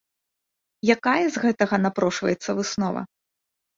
Якая з гэтага напрошваецца выснова?